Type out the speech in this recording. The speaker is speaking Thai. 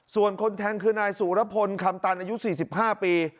ส่วนคนแทงคือนายสุรพลคำตันอายุ๔๕ปี